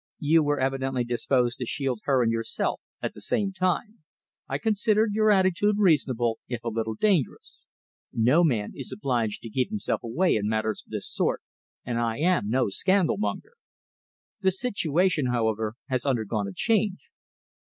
You were evidently disposed to shield her and yourself at the same time. I considered your attitude reasonable, if a little dangerous. No man is obliged to give himself away in matters of this sort, and I am no scandalmonger. The situation, however, has undergone a change."